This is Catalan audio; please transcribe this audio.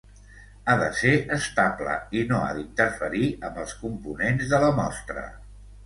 Ha de ser estable i no ha d'interferir amb els components de la mostra.